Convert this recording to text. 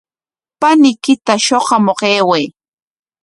Paniykita shuqamuq ayway.